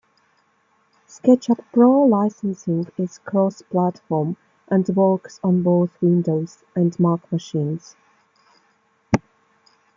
SketchUp Pro licensing is cross-platform and works on both Windows and Mac machines.